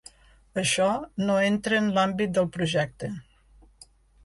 Això no entra en l'àmbit del projecte.